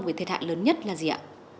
với thiệt hại lớn nhất là gì ạ